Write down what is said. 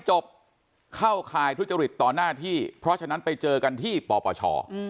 จบเข้าข่ายทุจริตต่อหน้าที่เพราะฉะนั้นไปเจอกันที่ปปช